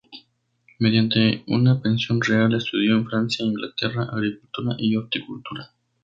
Mediante una pensión real estudió en Francia e Inglaterra agricultura y horticultura.